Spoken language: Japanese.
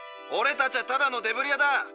オレたちはただのデブリ屋だ。